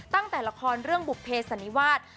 ตั้งแต่ละครเรื่องบุภเพสันนิวาส